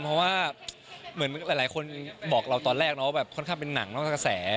เพราะว่าเหมือนหลายคนบอกเราตอนแรกนะว่าแบบค่อนข้างเป็นหนังนอกกระแส